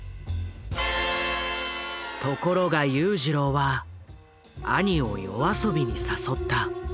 ところが裕次郎は兄を夜遊びに誘った。